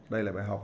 đây là bài học